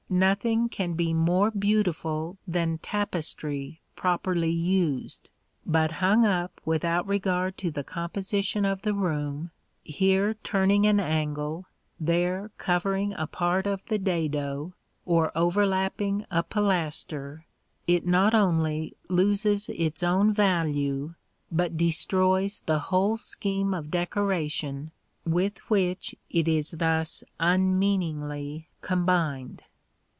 Nothing can be more beautiful than tapestry properly used; but hung up without regard to the composition of the room, here turning an angle, there covering a part of the dado or overlapping a pilaster, it not only loses its own value, but destroys the whole scheme of decoration with which it is thus unmeaningly combined.